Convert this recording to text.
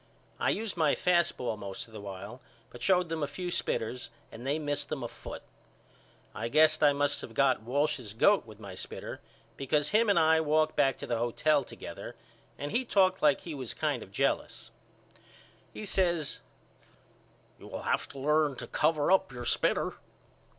I used my fast ball most of the while but showed them a few spitters and they missed them a foot. I guess I must of got Walsh's goat with my spitter because him and I walked back to the hotel together and he talked like he was kind of jealous. He says You will have to learn to cover up your spitter.